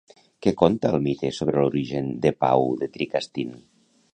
Què conta el mite sobre l'origen de Pau de Tricastin?